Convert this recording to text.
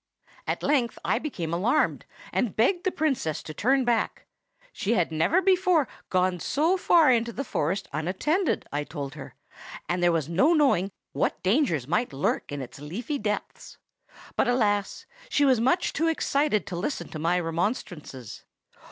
At length I became alarmed, and begged the Princess to turn back. She had never before gone so far in the forest unattended, I told her; and there was no knowing what dangers might lurk in its leafy depths. But, alas! she was too much excited to listen to my remonstrances.